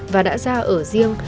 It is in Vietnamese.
và đã ra ở riêng